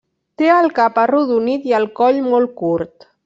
Té el cap arrodonit i el coll molt curt.